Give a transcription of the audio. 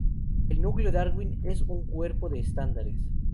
El Núcleo Darwin es un cuerpo de estándares.